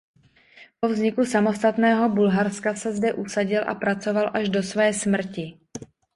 Po vzniku samostatného Bulharska se zde usadil a pracoval až do své smrti.